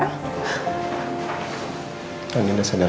adik udah sadar